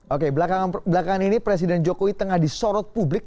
oke belakangan ini presiden jokowi tengah disorot publik